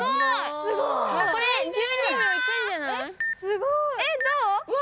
すごい！えっどう？